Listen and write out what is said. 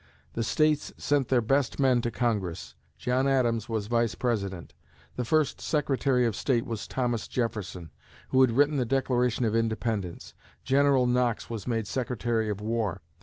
The States sent their best men to Congress. John Adams was Vice President. The first Secretary of State was Thomas Jefferson, who had written the Declaration of Independence. General Knox was made Secretary of War.